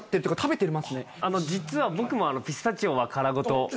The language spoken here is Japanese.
実は僕もピスタチオは。